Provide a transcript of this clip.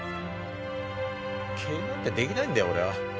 経営なんて出来ないんだよ俺は。